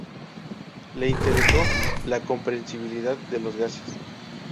Le interesó la compresibilidad de los gases.